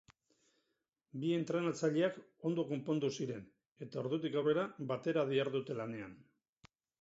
Bi entrenatzaileak ondo konpondu ziren, eta ordutik aurrera batera dihardute lanean.